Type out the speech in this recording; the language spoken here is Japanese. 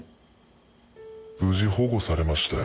無事保護されましたよ。